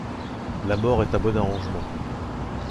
La mort est un bon arrangement.